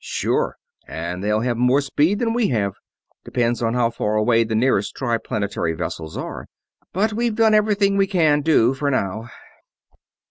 "Sure, and they'll have more speed than we have. Depends on how far away the nearest Triplanetary vessels are. But we've done everything we can do, for now."